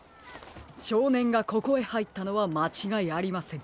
しょうねんがここへはいったのはまちがいありません。